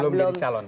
belum jadi calon